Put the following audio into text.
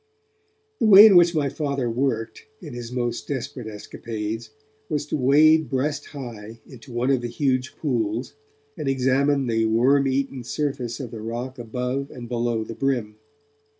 The way in which my Father worked, in his most desperate escapades, was to wade breast high into one of the huge pools, and examine the worm eaten surface of the rock above and below the brim.